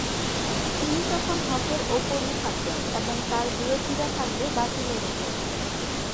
তিনি তখন হকের ওপরই থাকবেন এবং তার বিরোধীরা থাকবে বাতিলের ওপর।